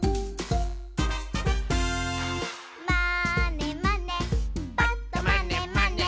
「まーねまねぱっとまねまね」